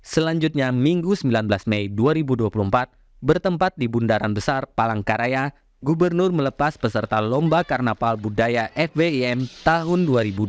selanjutnya minggu sembilan belas mei dua ribu dua puluh empat bertempat di bundaran besar palangkaraya gubernur melepas peserta lomba karnaval budaya fbim tahun dua ribu dua puluh